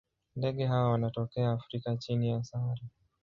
Ndege hawa wanatokea Afrika chini ya Sahara.